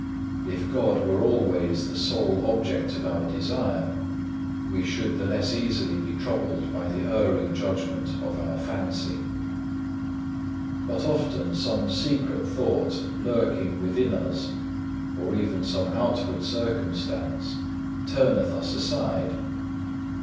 If God were always the sole object of our desire, we should the less easily be troubled by the erring judgment of our fancy. 2. But often some secret thought lurking within us, or even some outward circumstance, turneth us aside.